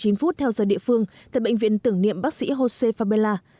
chào đời lúc một giờ hai mươi chín phút theo giờ địa phương tại bệnh viện tưởng niệm bác sĩ jose fabella